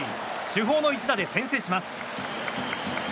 主砲の一打で先制します。